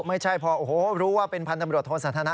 ไม่ใช่พอโอ้โหรู้ว่าเป็นพันธบรวจโทสันทนะ